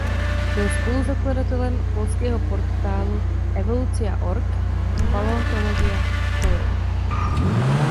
Byl spoluzakladatelem polského portálu ewolucja.org a paleontologia.pl.